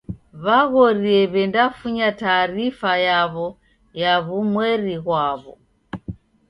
W'aghorie w'endafunya taarifa yaw'o ya w'umweri ghwaw'o.